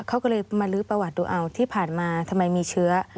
เขาก็เลยมาลื้อประวัติดูเอาที่ผ่านมาทำไมมีเชื้อ